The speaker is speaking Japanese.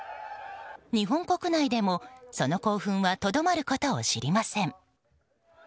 日本国内でも、その興奮はとどまることを知りません。